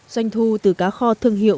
doanh thu từ cá kho thương hiệu